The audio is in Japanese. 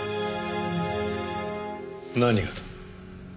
何がだ？